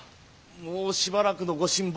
もうしばらくのご辛抱を。